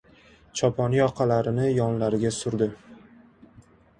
Choponi yoqalarini yonlariga surdi.